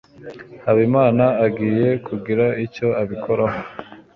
habimana agiye kugira icyo abikoraho